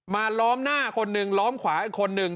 ล้อมหน้าคนหนึ่งล้อมขวาอีกคนนึง